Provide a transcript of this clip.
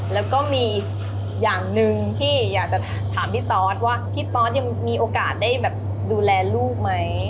แล้วก็มีอย่างหนึ่งที่อยากจะถามพี่ตอสว่าพี่ตอสยังมีโอกาสได้แบบดูแลลูกไหม